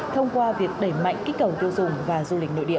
thông qua việc đẩy mạnh kích cầu tiêu dùng và du lịch nội địa